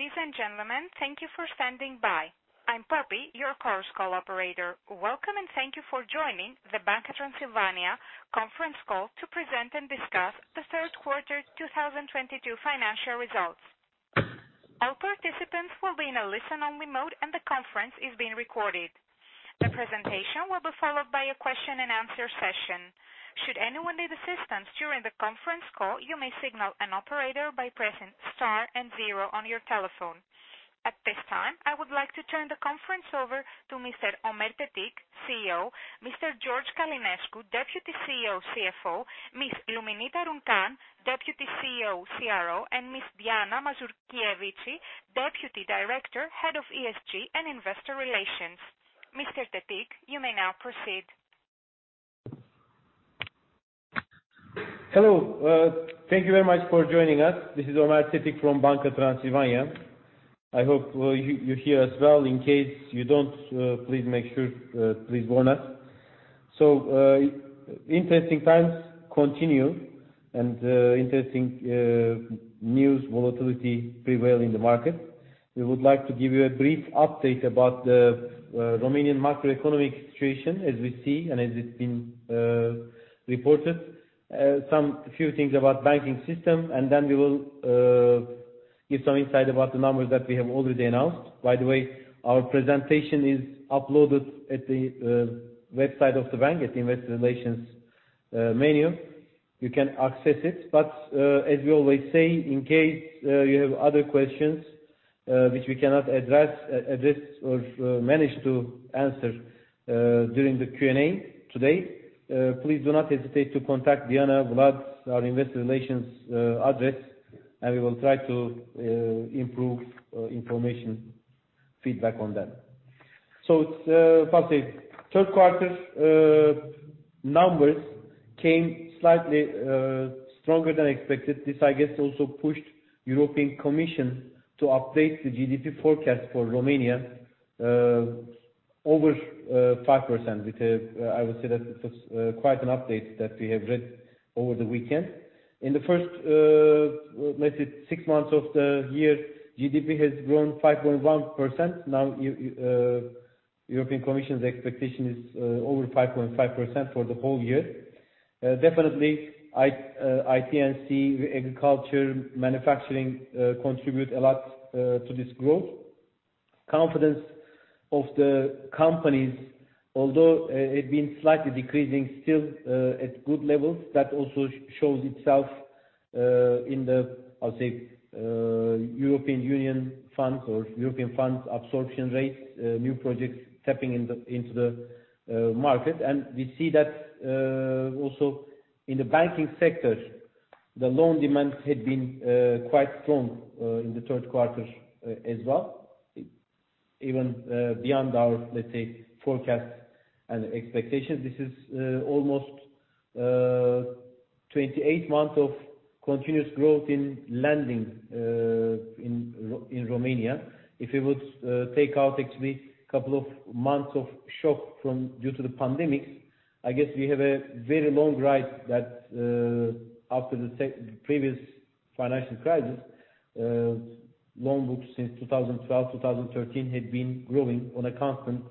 Ladies and gentlemen, thank you for standing by. I'm Poppy, your course call operator. Welcome, and thank you for joining the Banca Transilvania conference call to present and discuss the third quarter 2022 financial results. All participants will be in a listen-only mode, and the conference is being recorded. The presentation will be followed by a question-and-answer session. Should anyone need assistance during the conference call, you may signal an operator by pressing star and zero on your telephone. At this time, I would like to turn the conference over to Mr. Ömer Tetik, CEO, Mr. George Călinescu, Deputy CEO, CFO, Ms. Luminița Runcan, Deputy CEO, CRO, and Ms. Diana Mazurchievici, Deputy Director, Head of ESG and Investor Relations. Mr. Tetik, you may now proceed. Hello. Thank you very much for joining us. This is Ömer Tetik from Banca Transilvania. I hope you hear us well. In case you don't, please make sure, please warn us. Interesting times continue, and interesting news volatility prevail in the market. We would like to give you a brief update about the Romanian macroeconomic situation as we see and as it's been reported. Some few things about banking system, and then we will give some insight about the numbers that we have already announced. By the way, our presentation is uploaded at the website of the bank at the Investor Relations menu. You can access it, but as we always say, in case you have other questions which we cannot address or manage to answer during the Q&A today, please do not hesitate to contact Diana, Vlad, our Investor Relations address, and we will try to improve information feedback on them. First thing, third quarter numbers came slightly stronger than expected. This, I guess, also pushed European Commission to update the GDP forecast for Romania over 5%, which I would say that it was quite an update that we have read over the weekend. In the first, let's say six months of the year, GDP has grown 5.1%. Now European Commission's expectation is over 5.5% for the whole year. Definitely IT&C, agriculture, manufacturing contribute a lot to this growth. Confidence of the companies, although it's been slightly decreasing still at good levels, that also shows itself in the, I'll say, European Union funds or European funds absorption rates, new projects stepping into the market. We see that also in the banking sector. The loan demand had been quite strong in the third quarter as well, even beyond our, let's say, forecasts and expectations. This is almost 28 months of continuous growth in lending in Romania. If you would take out actually couple of months of shock from... Due to the pandemic, I guess we have a very long ride that, after the previous financial crisis, loan books since 2012, 2013 had been growing on a constant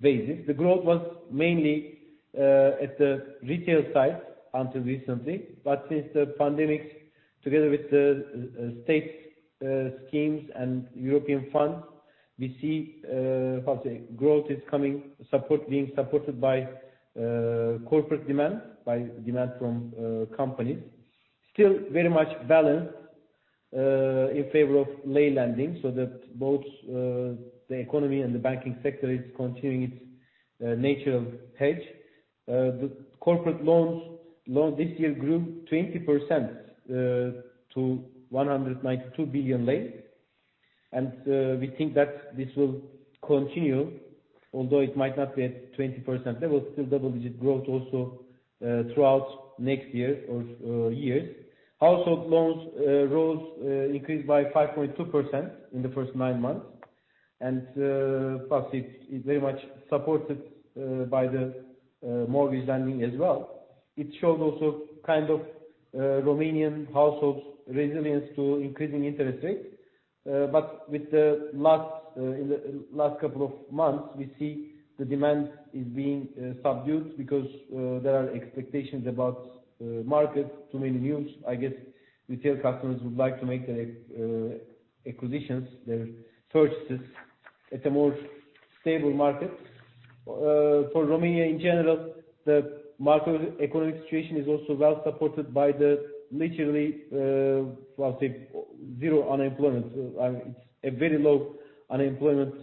basis. The growth was mainly at the retail side until recently, but since the pandemic, together with the state schemes and European funds, we see growth coming, being supported by corporate demand, by demand from companies. Still very much balanced in favor of lei lending, so that both the economy and the banking sector is continuing its nature of hedge. The corporate loans this year grew 20% to RON 192 billion lei. We think that this will continue, although it might not be at 20% level, still double-digit growth also throughout next year or years. Household loans increased by 5.2% in the first nine months. Plus it's very much supported by the mortgage lending as well. It showed also kind of Romanian households' resilience to increasing interest rates. But with the last in the last couple of months, we see the demand is being subdued because there are expectations about market, too many news. I guess retail customers would like to make their acquisitions, their purchases at a more stable market. For Romania in general, the macroeconomic situation is also well supported by the literally, well, I'll say zero unemployment. It's a very low unemployment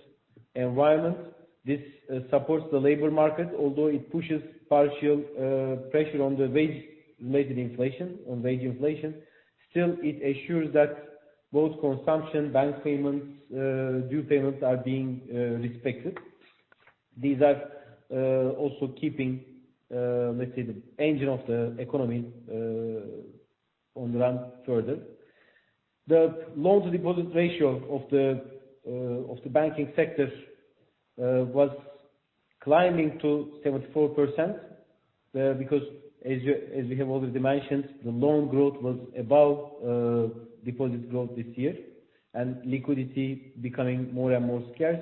environment. This supports the labor market, although it pushes upward pressure on the wage-related inflation, on wage inflation. Still, it assures that both consumption, bank payments, due payments are being respected. These are also keeping, let's say, the engine of the economy on the run further. The loan-deposit ratio of the banking sector was climbing to 74%, because as we have already mentioned, the loan growth was above deposit growth this year and liquidity becoming more and more scarce.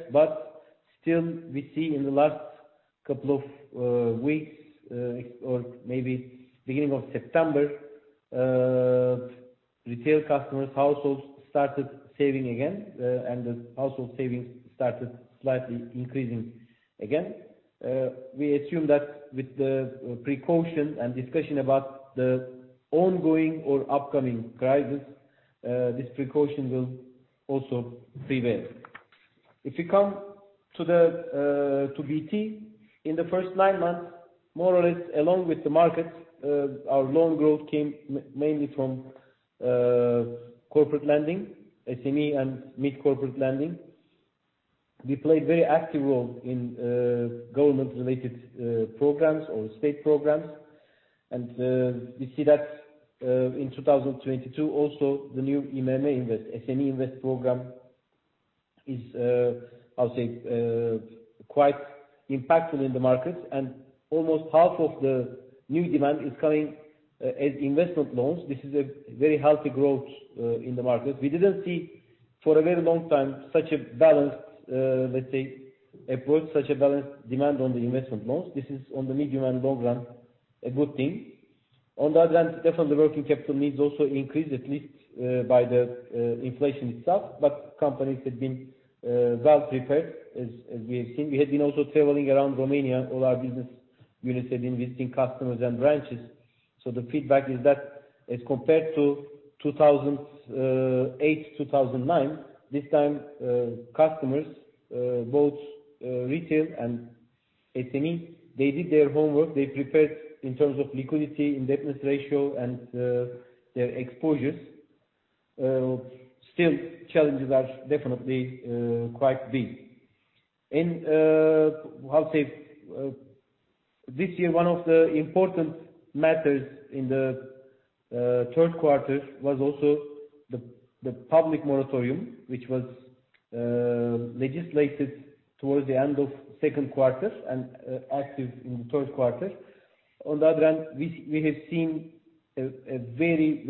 Still, we see in the last couple of weeks or maybe beginning of September, retail customers, households started saving again, and the household savings started slightly increasing again. We assume that with the precaution and discussion about the ongoing or upcoming crisis, this precaution will also prevail. If you come to BT, in the first nine months, more or less, along with the markets, our loan growth came mainly from corporate lending, SME and mid-corporate lending. We played very active role in government related programs or state programs. We see that in 2022 also, the new IMM INVEST, SME INVEST program is, I'll say, quite impactful in the markets. Almost half of the new demand is coming as investment loans. This is a very healthy growth in the market. We didn't see for a very long time such a balanced, let's say, approach, such a balanced demand on the investment loans. This is on the medium and long run, a good thing. On the other hand, definitely working capital needs also increased, at least, by the inflation itself. Companies have been well prepared as we have seen. We had been also traveling around Romania. All our business units have been visiting customers and branches. The feedback is that as compared to 2008, 2009, this time, customers, both retail and SME, they did their homework. They prepared in terms of liquidity, indebtedness ratio, and their exposures. Still, challenges are definitely quite big. I'll say this year, one of the important matters in the third quarter was also the public moratorium, which was legislated towards the end of second quarter and active in the third quarter. On the other hand, we have seen a very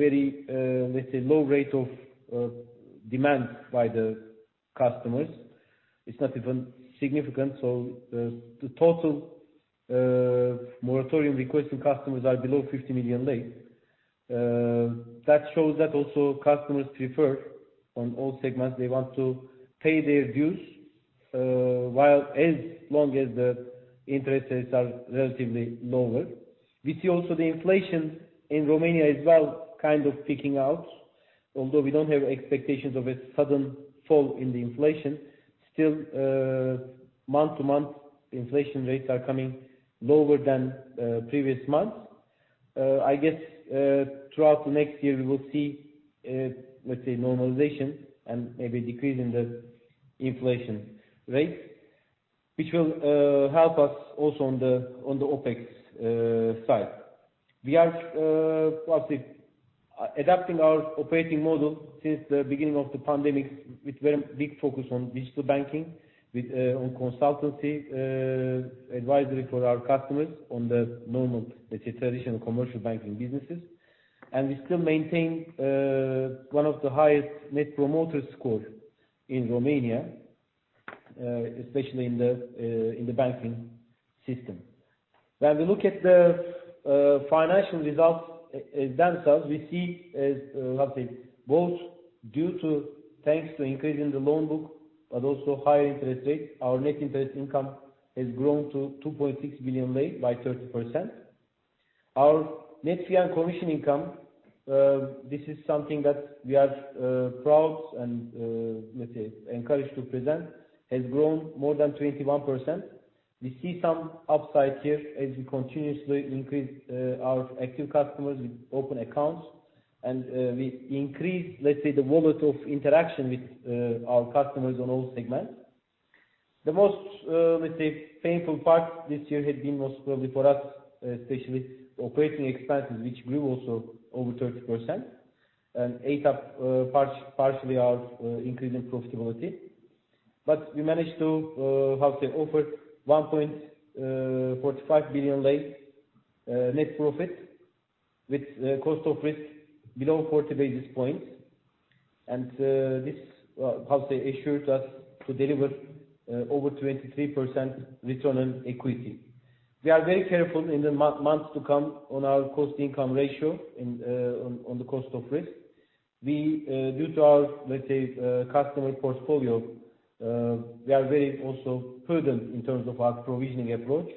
low rate of demand by the customers. It's not even significant. The total moratorium requesting customers are below RON 50 million. That shows that also customers prefer on all segments, they want to pay their dues while as long as the interest rates are relatively lower. We see also the inflation in Romania as well, kind of peaking out. Although we don't have expectations of a sudden fall in the inflation, still, month-to-month, inflation rates are coming lower than previous months. I guess, throughout the next year, we will see, let's say normalization and maybe decrease in the inflation rate, which will help us also on the OpEx side. We are adapting our operating model since the beginning of the pandemic with very big focus on digital banking, with on consultancy advisory for our customers on the normal, let's say, traditional commercial banking businesses. We still maintain one of the highest Net Promoter Score in Romania, especially in the banking system. When we look at the financial results itself, we see both due to, thanks to increase in the loan book, but also higher interest rates, our net interest income has grown to RON 2.6 billion by 30%. Our net fee and commission income, this is something that we are proud and, let's say, encouraged to present, has grown more than 21%. We see some upside here as we continuously increase our active customers with open accounts. We increase, let's say, the wallet of interaction with our customers on all segments. The most, let's say, painful part this year had been most probably for us, especially operating expenses, which grew also over 30% and ate up partially our increase in profitability. We managed to offer RON 1.45 billion net profit with a cost of risk below 40 basis points. This assured us to deliver over 23% return on equity. We are very careful in the months to come on our cost income ratio and on the cost of risk. Due to our, let's say, customer portfolio, we are very also prudent in terms of our provisioning approach.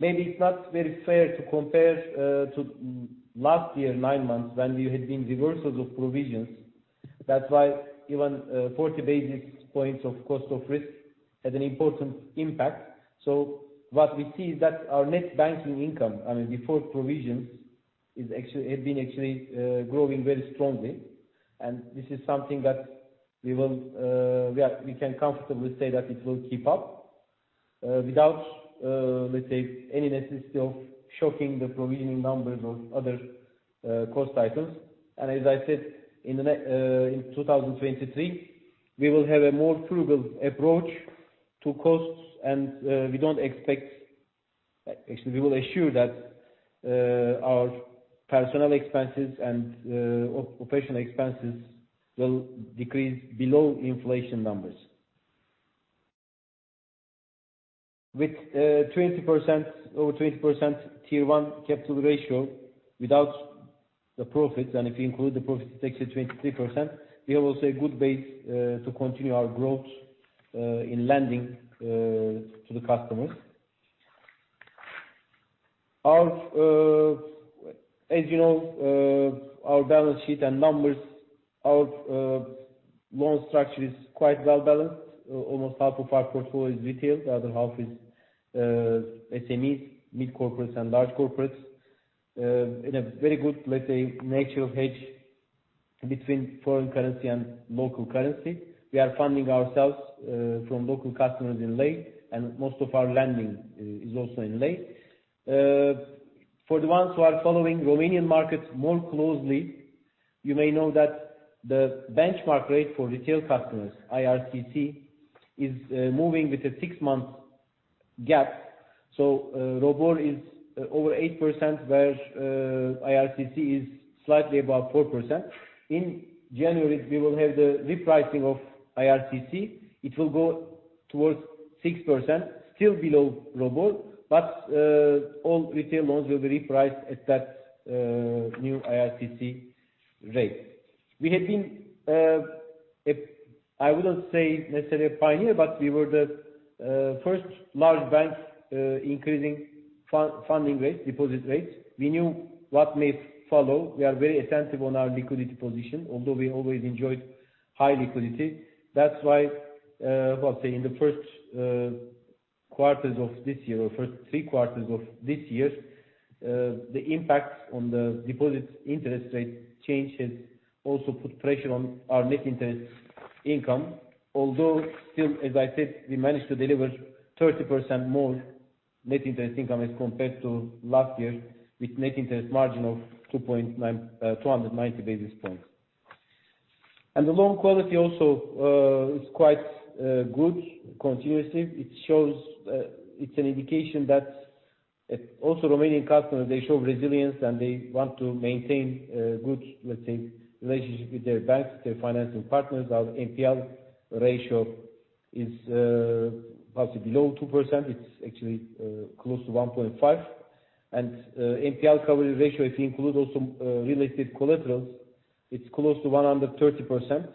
Maybe it's not very fair to compare to last year, nine months, when we had been reversals of provisions. That's why even 40 basis points of cost of risk had an important impact. What we see is that our net banking income, I mean, before provisions, is actually growing very strongly. This is something that we can comfortably say that it will keep up, without, let's say, any necessity of shocking the provisioning numbers or other cost items. As I said, in 2023 we will have a more frugal approach to costs, and we don't expect. Actually, we will ensure that our personnel expenses and operational expenses will decrease below inflation numbers. With 20%, over 20% Tier 1 capital ratio without the profits, and if you include the profits, it takes it to 23%. We have also a good base to continue our growth in lending to the customers. Our, as you know, our balance sheet and numbers, our loan structure is quite well balanced. Almost half of our portfolio is retail. The other half is SMEs, mid corporates and large corporates. In a very good, let's say, nature of hedge between foreign currency and local currency. We are funding ourselves from local customers in lei, and most of our lending is also in lei. For the ones who are following Romanian markets more closely, you may know that the benchmark rate for retail customers, IRCC, is moving with a six-month gap. ROBOR is over 8%, whereas IRCC is slightly above 4%. In January, we will have the repricing of IRCC. It will go towards 6%, still below ROBOR, but all retail loans will be repriced at that new IRCC rate. We have been, I wouldn't say necessarily a pioneer, but we were the first large bank increasing funding rates, deposit rates. We knew what may follow. We are very attentive on our liquidity position, although we always enjoyed high liquidity. That's why, in the first quarters of this year or first three quarters of this year, the impact on the deposits interest rate change has also put pressure on our net interest income, although still, as I said, we managed to deliver 30% more net interest income as compared to last year, with net interest margin of 290 basis points. The loan quality also is quite good continuously. It shows it's an indication that also Romanian customers they show resilience, and they want to maintain a good, let's say, relationship with their banks, their financing partners. Our NPL ratio is possibly below 2%. It's actually close to 1.5%. NPL coverage ratio, if you include also related collaterals, it's close to 130%.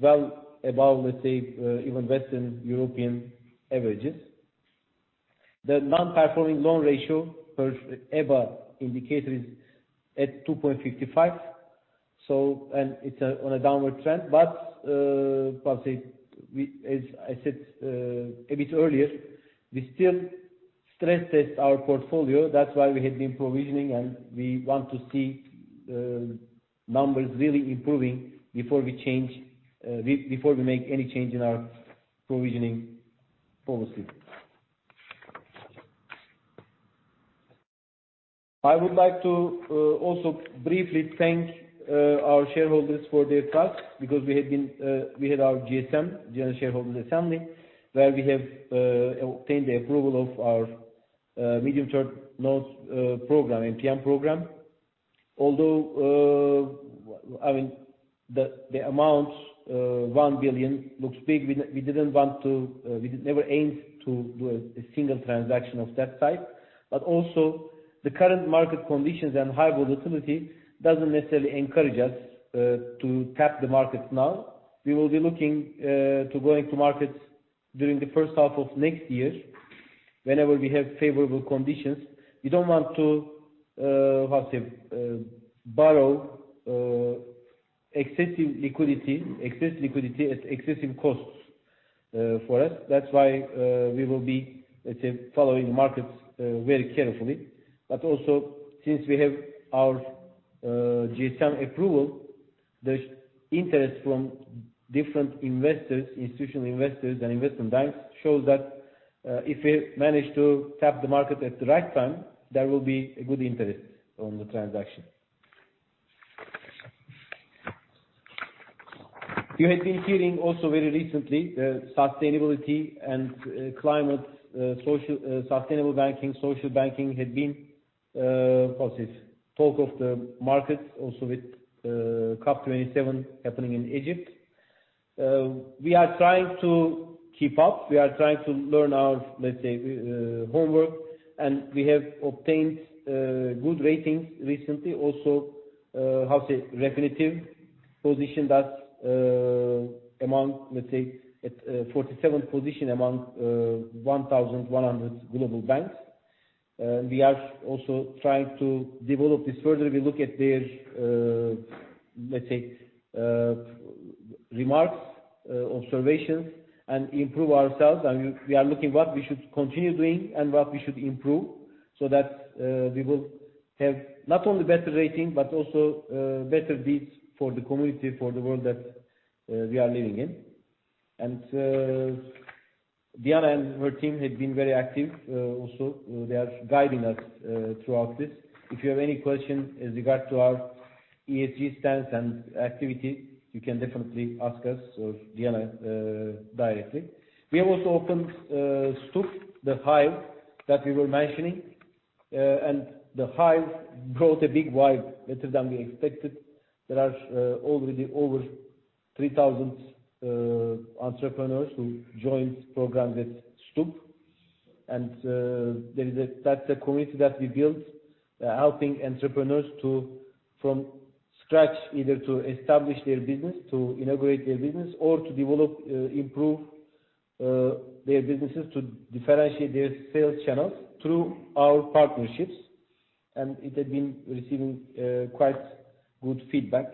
Well above, let's say, even Western European averages. The non-performing loan ratio per EBA indicator is at 2.55%. It's on a downward trend. How to say, as I said a bit earlier, we still stress test our portfolio. That's why we have been provisioning, and we want to see numbers really improving before we change before we make any change in our provisioning policy. I would like to also briefly thank our shareholders for their trust, because we had our GSM, general shareholders assembly, where we have obtained the approval of our medium-term notes program, MTN Program, although I mean, the amount RON 1 billion looks big. We didn't want to. We never aimed to do a single transaction of that size. Also the current market conditions and high volatility doesn't necessarily encourage us to tap the markets now. We will be looking to going to markets during the first half of next year. Whenever we have favorable conditions. We don't want to borrow excessive liquidity at excessive costs for us. That's why we will be, let's say, following markets very carefully. Also, since we have our ESG approval, the interest from different investors, institutional investors and investment banks shows that, if we manage to tap the market at the right time, there will be a good interest on the transaction. You have been hearing also very recently the sustainability and climate, social, sustainable banking, social banking had been talk of the markets also with COP 27 happening in Egypt. We are trying to keep up. We are trying to learn our, let's say, homework. We have obtained good ratings recently. Also, reputable position that among, let's say, at 47th position among 1,100 global banks. We are also trying to develop this further. We look at their, let's say, remarks, observations and improve ourselves. We are looking what we should continue doing and what we should improve so that we will have not only better rating but also better deeds for the community, for the world that we are living in. Diana and her team have been very active. Also they are guiding us throughout this. If you have any question as regards our ESG stance and activity, you can definitely ask us or Diana directly. We have also opened Stup, the hive that we were mentioning. The hive brought a big vibe better than we expected. There are already over 3,000 entrepreneurs who joined program with Stup. There is a community that we built, helping entrepreneurs to from scratch, either to establish their business, to integrate their business, or to develop, improve, their businesses to differentiate their sales channels through our partnerships. It had been receiving quite good feedback.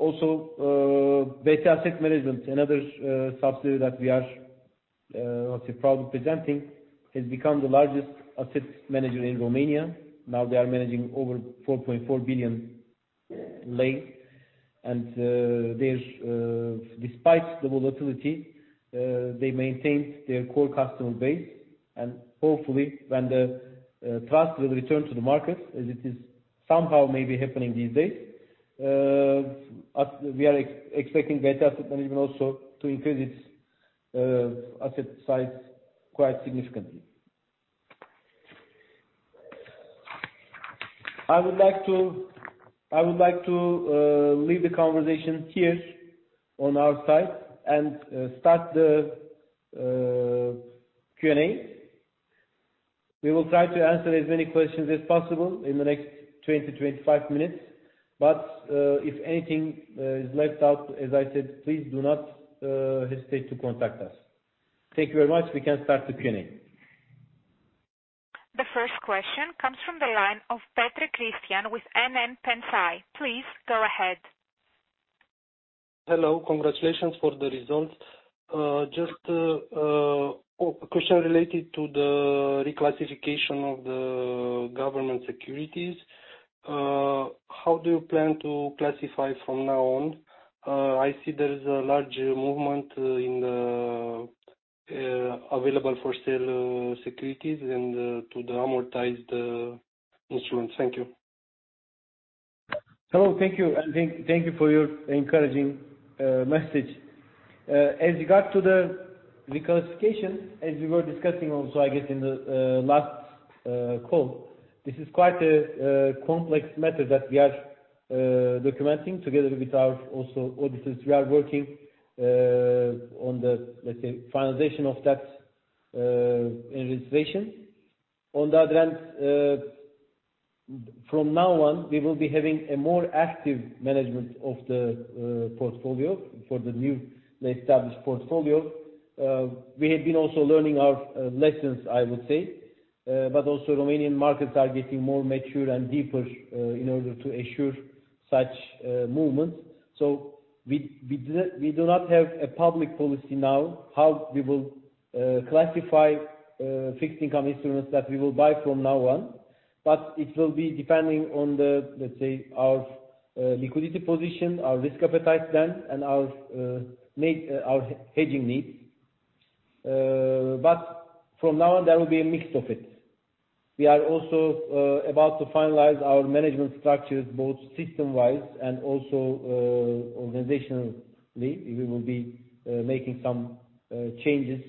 Also, BT Asset Management, another subsidiary that we are, let's say proud of presenting, has become the largest asset manager in Romania. Now they are managing over RON 4.4 billion. Despite the volatility, they maintained their core customer base. Hopefully when the trust will return to the market, as it is somehow maybe happening these days, as we are expecting BT Asset Management also to increase its asset size quite significantly. I would like to leave the conversation here on our side and start the Q&A. We will try to answer as many questions as possible in the next 20-25 minutes. If anything is left out, as I said, please do not hesitate to contact us. Thank you very much. We can start the Q&A. The first question comes from the line of Petre Cristian with NN Pensii. Please go ahead. Hello. Congratulations for the results. Just a question related to the reclassification of the government securities. How do you plan to classify from now on? I see there is a large movement in the Available-for-Sale securities and to the amortized instruments. Thank you. Hello. Thank you. Thank you for your encouraging message. As regard to the reclassification, as we were discussing also, I guess in the last call, this is quite a complex matter that we are documenting together with our also auditors. We are working on the, let's say, finalization of that registration. On the other hand, from now on, we will be having a more active management of the portfolio for the new established portfolio. We have been also learning our lessons, I would say. Romanian markets are getting more mature and deeper in order to assure such movements. We do not have a public policy now how we will classify fixed income instruments that we will buy from now on, but it will be depending on the, let's say, our liquidity position, our risk appetite then, and our hedging needs. From now on, there will be a mix of it. We are also about to finalize our management structures, both system-wise and organizationally. We will be making some changes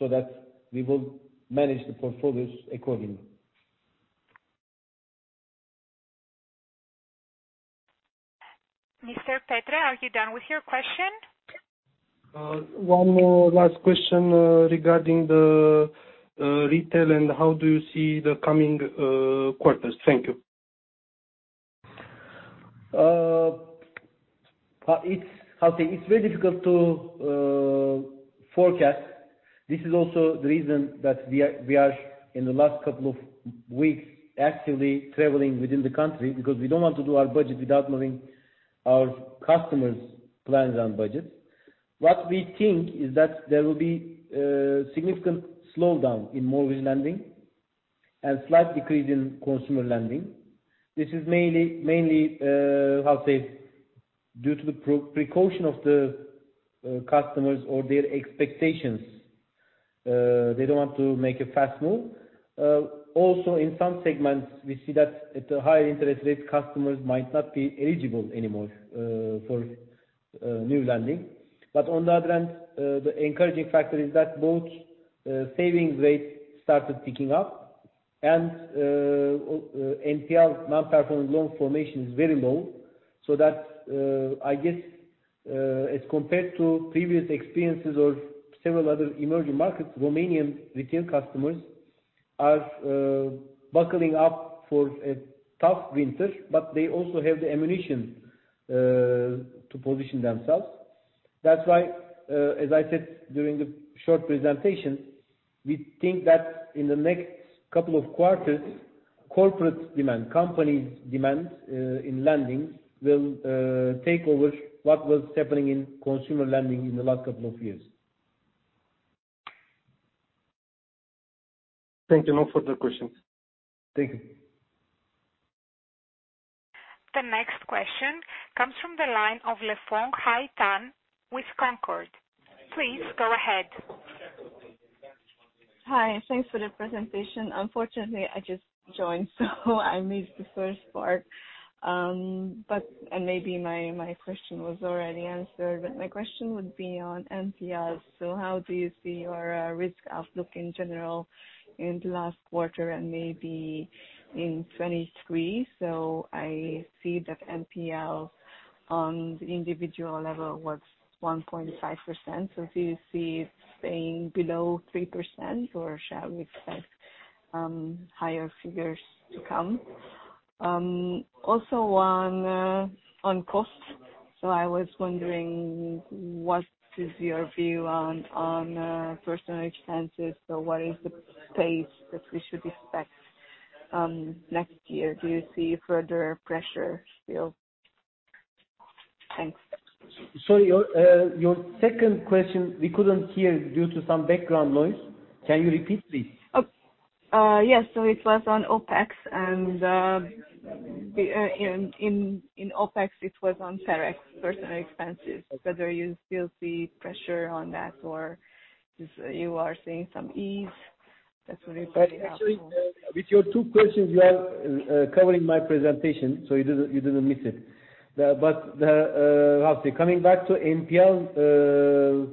so that we will manage the portfolios accordingly. Mr. Petre, are you done with your question? One more last question regarding the retail and how do you see the coming quarters? Thank you. It's very difficult to forecast. This is also the reason that we are in the last couple of weeks actively traveling within the country because we don't want to do our budget without knowing our customers' plans and budgets. What we think is that there will be significant slowdown in mortgage lending and slight decrease in consumer lending. This is mainly, I'll say due to the precaution of the customers or their expectations. They don't want to make a fast move. Also, in some segments, we see that at the higher interest rates, customers might not be eligible anymore for new lending. But on the other hand, the encouraging factor is that both savings rates started picking up and NPL, non-performing loan formation is very low. That, I guess, as compared to previous experiences of several other emerging markets, Romanian retail customers are buckling up for a tough winter, but they also have the ammunition to position themselves. That's why, as I said during the short presentation, we think that in the next couple of quarters, corporate demand, companies demand, in lending will take over what was happening in consumer lending in the last couple of years. Thank you. No further questions. Thank you. Question comes from the line of Lefong Haitong with Concorde. Please go ahead. Hi. Thanks for the presentation. Unfortunately, I just joined, so I missed the first part. Maybe my question was already answered, but my question would be on NPL. How do you see your risk outlook in general in the last quarter and maybe in 2023? I see that NPL on the individual level was 1.5%. Do you see it staying below 3% or shall we expect higher figures to come? Also on costs. I was wondering what is your view on personal expenses. What is the pace that we should expect next year? Do you see further pressure still? Thanks. Sorry, your second question we couldn't hear due to some background noise. Can you repeat please? It was on OpEx and in OpEx it was on PerEx, personal expenses, whether you still see pressure on that or if you are seeing some ease. That's what it was actually. Actually, with your two questions you are covering my presentation, so you didn't miss it. Coming back to NPL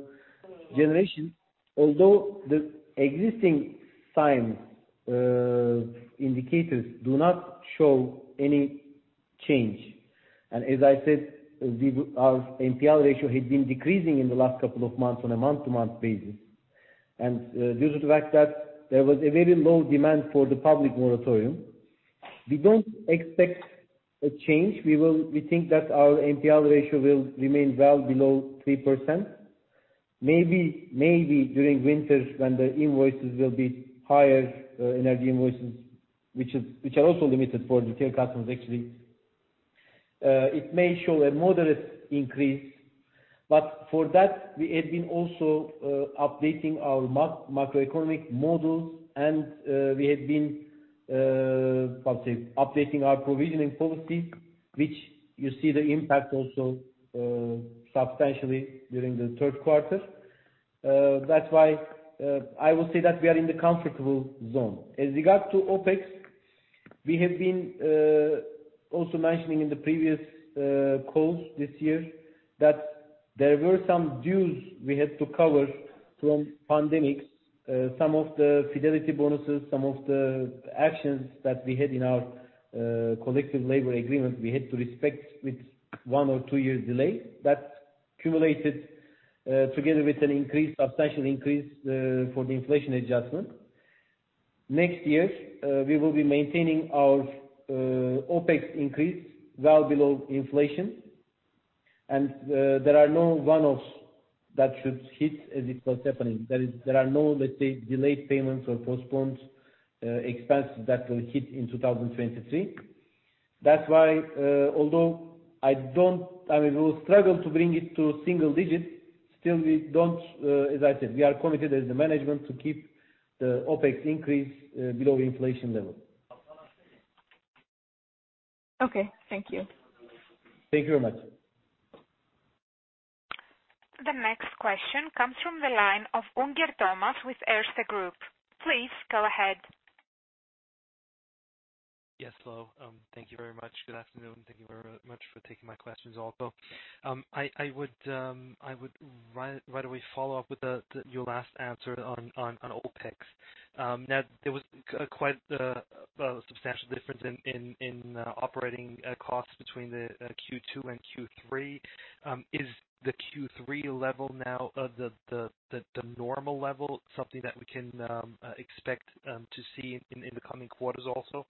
generation, although the existing signs indicators do not show any change. As I said, our NPL ratio had been decreasing in the last couple of months on a month-to-month basis. Due to the fact that there was a very low demand for the public moratorium. We don't expect a change. We think that our NPL ratio will remain well below 3%. Maybe during winter when the invoices will be higher, energy invoices which are also limited for retail customers actually. It may show a moderate increase, but for that we have been also updating our macroeconomic models and we have been updating our provisioning policy, which you see the impact also substantially during the third quarter. That's why I would say that we are in the comfortable zone. As regards OpEx, we have been also mentioning in the previous calls this year that there were some dues we had to cover from pandemic. Some of the fidelity bonuses, some of the actions that we had in our collective labor agreement, we had to respect with one or two years delay. That accumulated together with a substantial increase for the inflation adjustment. Next year we will be maintaining our OpEx increase well below inflation. There are no one-offs that should hit as it was happening. There are no, let's say, delayed payments or postponed expenses that will hit in 2023. That's why, although I mean, we will struggle to bring it to single digit, still we don't, as I said, we are committed as the management to keep the OpEx increase, below inflation level. Okay. Thank you. Thank you very much. The next question comes from the line of Unger Thomas with Erste Group. Please go ahead. Yes, hello. Thank you very much. Good afternoon. Thank you very much for taking my questions also. I would right away follow up with your last answer on OpEx. Now there was quite a substantial difference in operating costs between Q2 and Q3. Is the Q3 level now the normal level something that we can expect to see in the coming quarters also?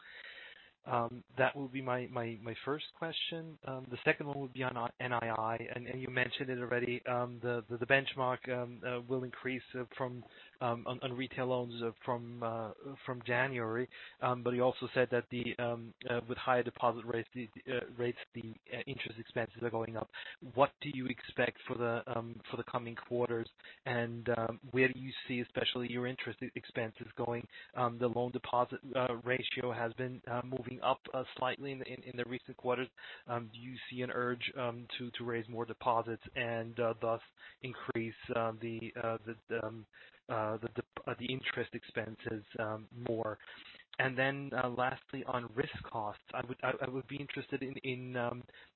That would be my first question. The second one would be on NII. You mentioned it already, the benchmark will increase from on retail loans from January. You also said that with higher deposit rates, the interest expenses are going up. What do you expect for the coming quarters? Where do you see especially your interest expenses going? The loan deposit ratio has been moving up slightly in the recent quarters. Do you see an urge to raise more deposits and thus increase the interest expenses more? Lastly, on risk costs, I would be interested in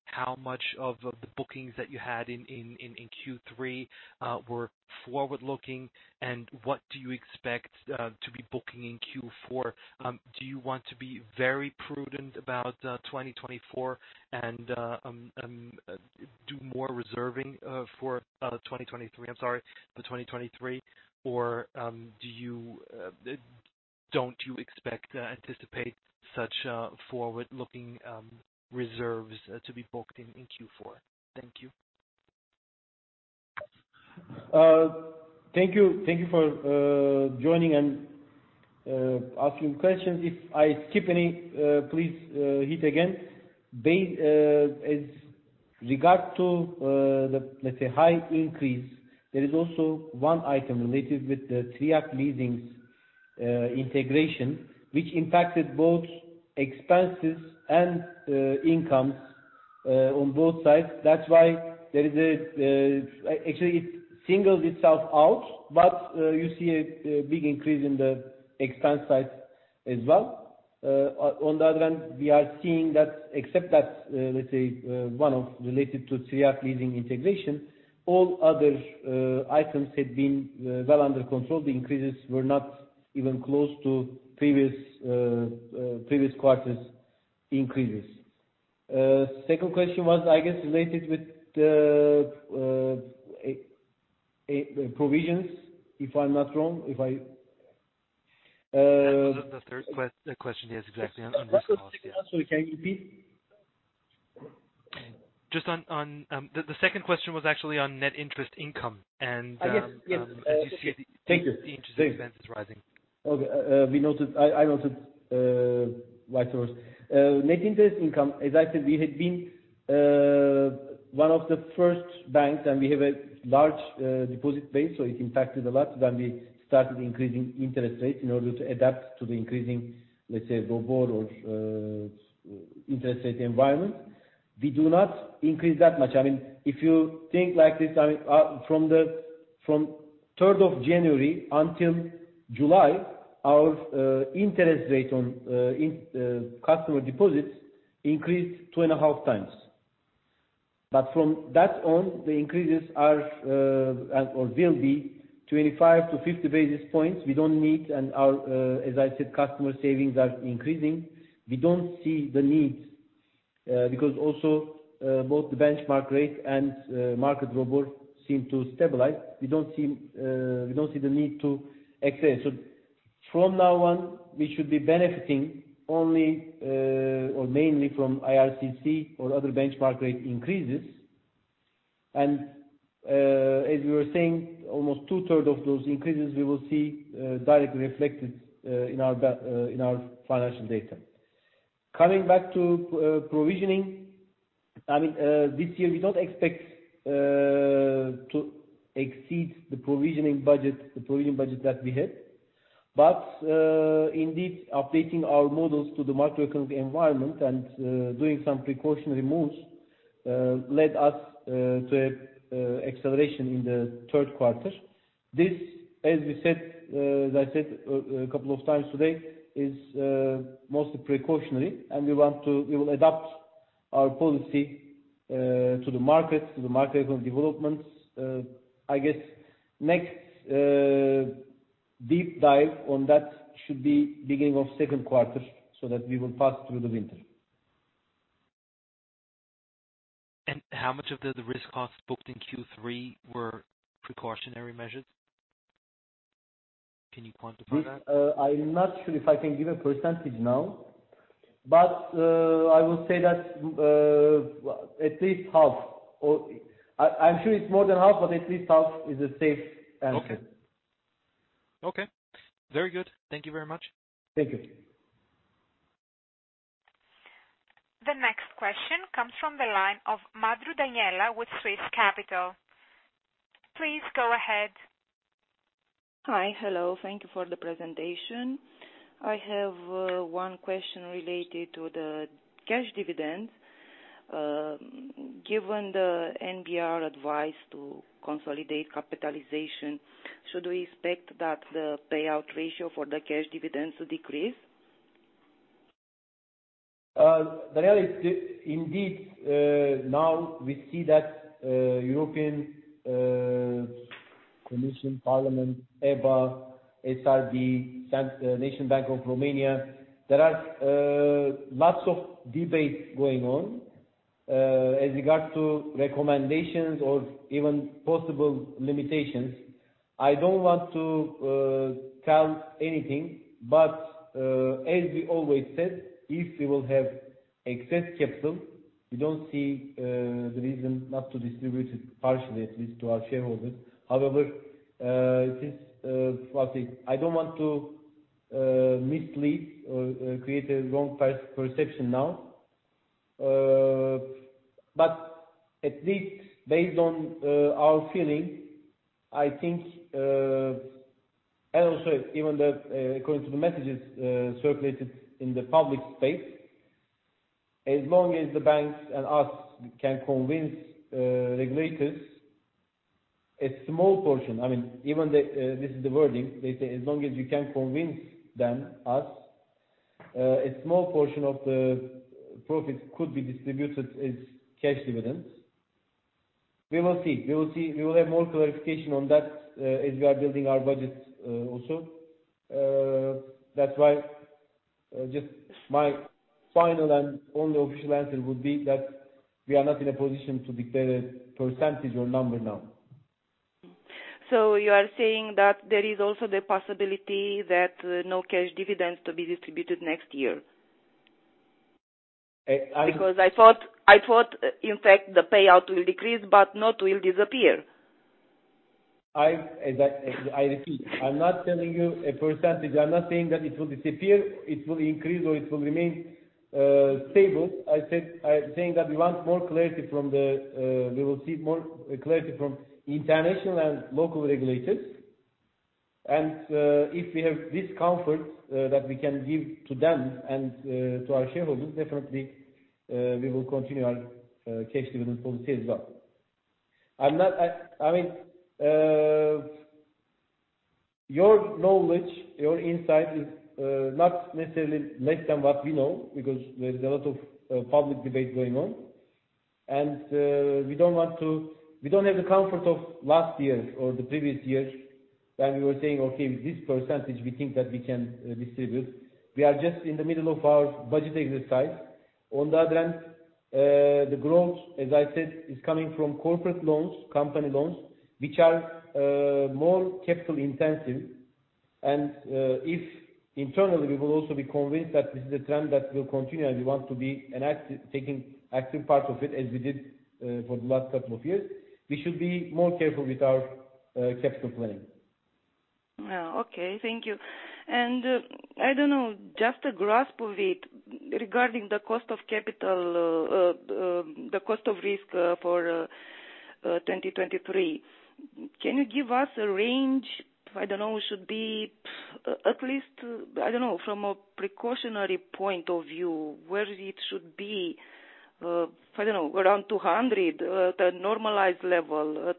how much of the bookings that you had in Q3 were forward-looking and what do you expect to be booking in Q4? Do you want to be very prudent about 2024 and do more reserving for 2023, I'm sorry, for 2023 or don't you expect anticipate such forward-looking reserves to be booked in Q4? Thank you. Thank you for joining and asking questions. If I skip any, please hit again. As regards to the, let's say, high increase, there is also one item related with the Țiriac Leasing integration, which impacted both expenses and incomes on both sides. That's why. Actually, it singles itself out, but you see a big increase in the expense side as well. On the other hand, we are seeing that except that, let's say, one related to Țiriac Leasing integration, all other items had been well under control. The increases were not even close to previous quarter's increases. Second question was, I guess, related with the provisions, if I'm not wrong. If I That was on the third question. Yes, exactly. On risk costs, yes. Sorry, can you repeat? Just on the second question was actually on net interest income. Yes, yes. As you see the interest expense is rising. Okay. I noted, right? So net interest income, as I said, we had been one of the first banks, and we have a large deposit base, so it impacted a lot when we started increasing interest rates in order to adapt to the increasing, let's say, ROBOR or interest rate environment. We do not increase that much. I mean, if you think like this, I mean, from the third of January until July, our interest rate on customer deposits increased 2.5 times. From then on, the increases are or will be 25-50 basis points. We don't need, and, as I said, our customer savings are increasing. We don't see the need, because also both the benchmark rate and market ROBOR seem to stabilize. We don't see the need to exceed. From now on, we should be benefiting only, or mainly from IRCC or other benchmark rate increases. As we were saying, almost two-thirds of those increases, we will see directly reflected in our financial data. Coming back to provisioning, I mean, this year we don't expect to exceed the provisioning budget that we had. Indeed, updating our models to the macroeconomic environment and doing some precautionary moves led us to an acceleration in the third quarter. This, as we said, as I said a couple of times today, is mostly precautionary and we will adapt our policy to the market developments. I guess next deep dive on that should be beginning of second quarter, so that we will pass through the winter. How much of the risk costs booked in Q3 were precautionary measures? Can you quantify that? I'm not sure if I can give a percentage now, but I will say that at least half, I'm sure it's more than half, but at least half is a safe answer. Okay. Very good. Thank you very much. Thank you. The next question comes from the line of Măndru Daniela with Swiss Capital. Please go ahead. Hi. Hello. Thank you for the presentation. I have one question related to the cash dividends. Given the NBR advice to consolidate capitalization, should we expect that the payout ratio for the cash dividends to decrease? Daniela, indeed, now we see that European Commission, European Parliament, EBA, SRB, and the National Bank of Romania, there are lots of debates going on as regards to recommendations or even possible limitations. I don't want to tell anything, but as we always said, if we will have excess capital, we don't see the reason not to distribute it partially, at least, to our shareholders. However, it is what I think, I don't want to mislead or create a wrong perception now. But at least based on our feeling, I think, and also even according to the messages circulated in the public space, as long as the banks and us can convince regulators, a small portion, I mean, even this is the wording. They say as long as you can convince them, us, a small portion of the profits could be distributed as cash dividends. We will see. We will have more clarification on that, as we are building our budgets, also. That's why, just my final and only official answer would be that we are not in a position to declare a percentage or number now. You are saying that there is also the possibility that no cash dividends to be distributed next year? Uh, I- Because I thought in fact the payout will decrease but not will disappear. As I repeat, I'm not telling you a percentage. I'm not saying that it will disappear, it will increase, or it will remain stable. I said, I'm saying that we want more clarity from the. We will seek more clarity from international and local regulators. If we have this comfort that we can give to them and to our shareholders, definitely, we will continue our cash dividend policy as well. I mean, your knowledge, your insight is not necessarily less than what we know, because there's a lot of public debate going on. We don't want to. We don't have the comfort of last year or the previous year when we were saying, "Okay, with this percentage, we think that we can distribute." We are just in the middle of our budget exercise. On the other hand, the growth, as I said, is coming from corporate loans, company loans, which are more capital intensive. If internally we will also be convinced that this is a trend that will continue and we want to be an active, taking active part of it as we did for the last couple of years, we should be more careful with our capital planning. Well, okay. Thank you. I don't know, just a grasp of it regarding the cost of capital, the cost of risk, for 2023. Can you give us a range? I don't know, it should be at least, I don't know, from a precautionary point of view, where it should be. I don't know, around 200 at a normalized level,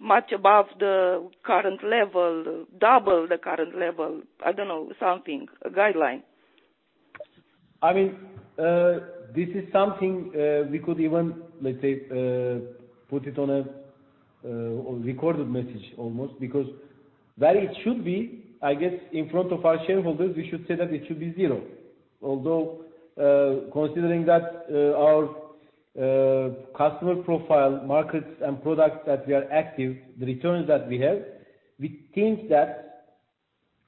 much above the current level, double the current level. I don't know, something, a guideline. I mean, this is something we could even, let's say, put it on a recorded message almost. Because where it should be, I guess in front of our shareholders, we should say that it should be zero. Although, considering that, our customer profile, markets, and products that we are active, the returns that we have, we think that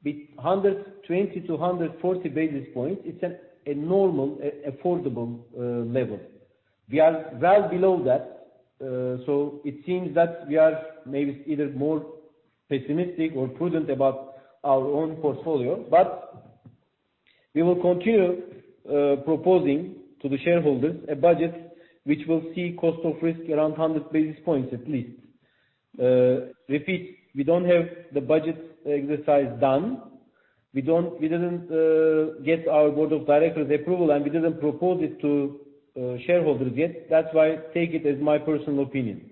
with 120-140 basis points is a normal, affordable level. We are well below that. It seems that we are maybe either more pessimistic or prudent about our own portfolio. We will continue proposing to the shareholders a budget which will see cost of risk around 100 basis points at least. Repeat, we don't have the budget exercise done. We didn't get our board of directors' approval, and we didn't propose it to shareholders yet. That's why, take it as my personal opinion.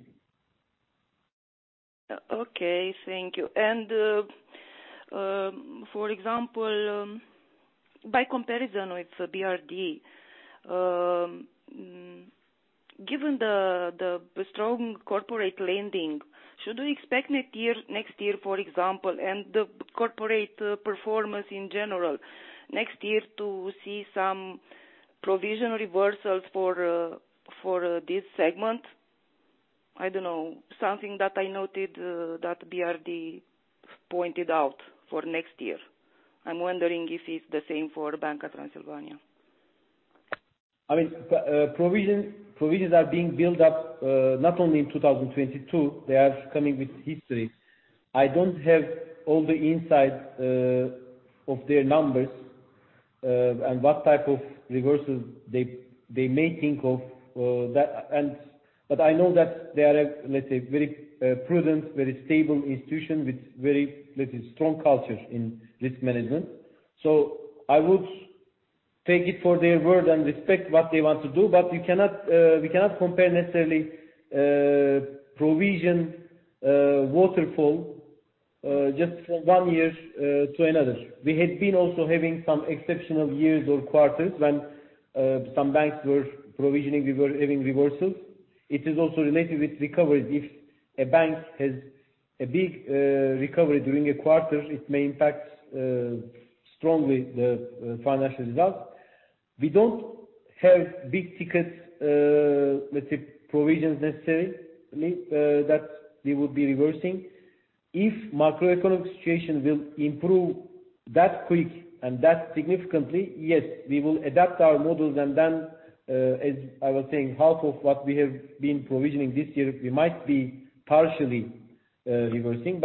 Okay, thank you. For example, by comparison with BRD, given the strong corporate lending, should we expect next year, for example, and the corporate performance in general next year to see some provision reversals for this segment? I don't know. Something that I noted that BRD pointed out for next year. I'm wondering if it's the same for Banca Transilvania. I mean, provisions are being built up, not only in 2022, they are coming with history. I don't have all the insight of their numbers, and what type of reversals they may think of, that. I know that they are, let's say very prudent, very stable institution with very, let's say, strong culture in risk management. I would take it for their word and respect what they want to do. We cannot compare necessarily, provision waterfall, just from one year to another. We had been also having some exceptional years or quarters when some banks were provisioning, we were having reversals. It is also related with recovery. If a bank has a big recovery during a quarter, it may impact strongly the financial results. We don't have big tickets, let's say provisions necessarily, that we would be reversing. If macroeconomic situation will improve that quick and that significantly, yes, we will adapt our models and then, as I was saying, half of what we have been provisioning this year, we might be partially reversing.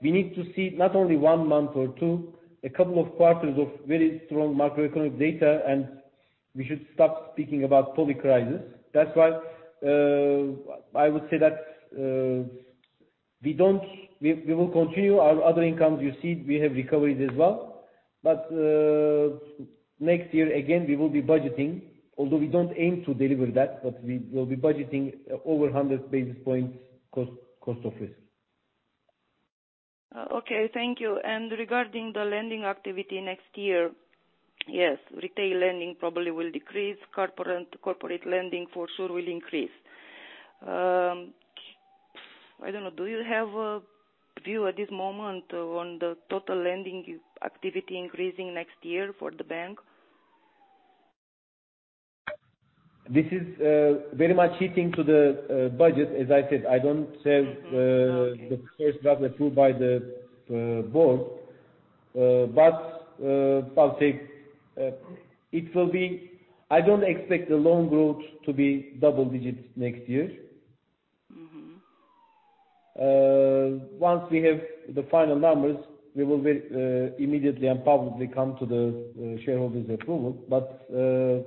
We need to see not only one month or two, a couple of quarters of very strong macroeconomic data, and we should stop speaking about public crisis. That's why I would say that we will continue our other incomes. You see we have recoveries as well. Next year again, we will be budgeting, although we don't aim to deliver that, but we will be budgeting over 100 basis points cost of risk. Okay. Thank you. Regarding the lending activity next year, yes, retail lending probably will decrease. Corporate lending for sure will increase. I don't know, do you have a view at this moment on the total lending activity increasing next year for the bank? This is very much hitting to the budget. As I said, I don't have Mm-hmm. Okay. The first draft approved by the board. I don't expect the loan growth to be double digits next year. Mm-hmm. Once we have the final numbers, we will very immediately and publicly come to the shareholders approval.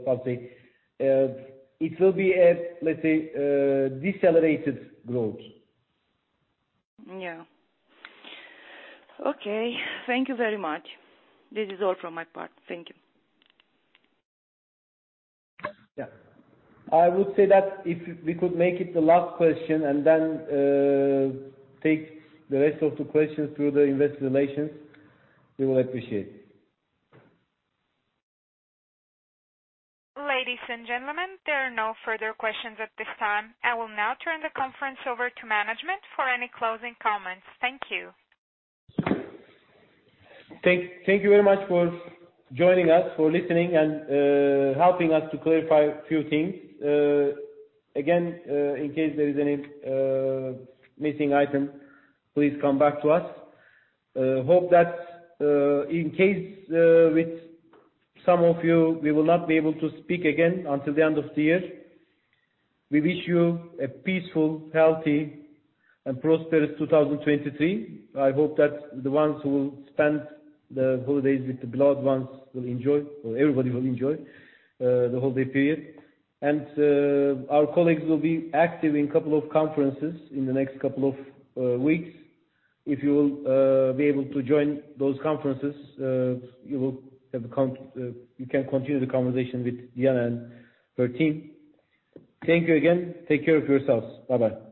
I'll say, it will be at, let's say, decelerated growth. Yeah. Okay. Thank you very much. This is all from my part. Thank you. Yeah. I would say that if we could make it the last question and then, take the rest of the questions through the investor relations, we will appreciate. Ladies and gentlemen, there are no further questions at this time. I will now turn the conference over to management for any closing comments. Thank you. Thank you very much for joining us, for listening and helping us to clarify a few things. Again, in case there is any missing item, please come back to us. Hope that in case with some of you we will not be able to speak again until the end of the year, we wish you a peaceful, healthy and prosperous 2023. I hope that the ones who will spend the holidays with the beloved ones will enjoy or everybody will enjoy the holiday period. Our colleagues will be active in couple of conferences in the next couple of weeks. If you will be able to join those conferences, you can continue the conversation with Diana and her team. Thank you again. Take care of yourselves. Bye-bye.